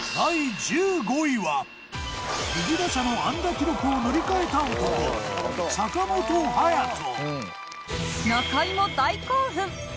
右打者の安打記録を塗り替えた男坂本勇人。